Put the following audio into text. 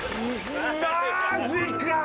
マジか！